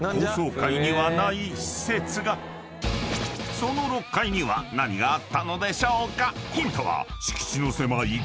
［その６階には何があったのでしょうか？］